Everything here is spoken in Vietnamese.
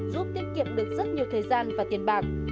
giúp tiết kiệm được rất nhiều thời gian và tiền bạc